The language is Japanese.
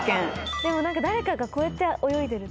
でも誰かがこうやって泳いでるとか。